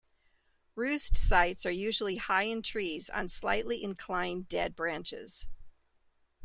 Roost sites are usually high in trees on slightly inclined dead branches.